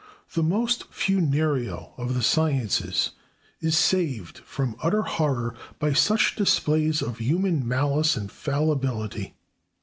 The most funereal of the sciences is saved from utter horror by such displays of human malice and fallibility.